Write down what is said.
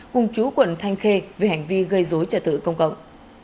cùng chú quận thanh khê về hành vi gây dối trợ tử công cộng